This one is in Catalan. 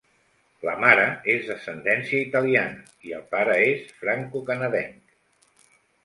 La mare és d'ascendència italiana i el pare és francocanadenc.